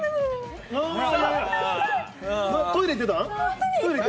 トイレいってたん？